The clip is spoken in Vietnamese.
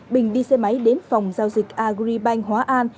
bình đi xe máy đến phòng giao dịch agribank hóa an